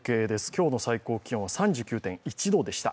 今日の最高気温は３９．１度でした。